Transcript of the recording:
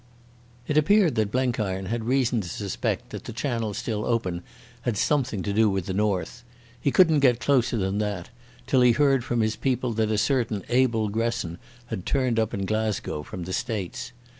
It appeared that Blenkiron had reason to suspect that the channel still open had something to do with the North. He couldn't get closer than that, till he heard from his people that a certain Abel Gresson had turned up in Glasgow from the States.